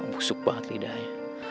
busuk banget lidahnya